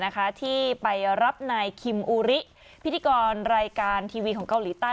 ที่ไปรับนายคิมอุริพิธีกรรายการทีวีของเกาหลีใต้